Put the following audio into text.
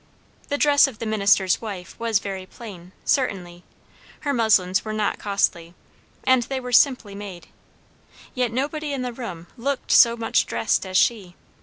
The dress of the minister's wife was very plain, certainly; her muslins were not costly, and they were simply made; yet nobody in the room looked so much dressed as she.